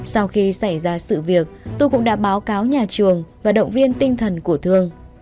sau khi xảy ra sự việc tôi cũng đã báo cáo nhà trường và động viên tinh thần của thương